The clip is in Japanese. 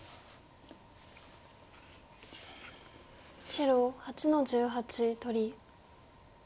白８の十八取り。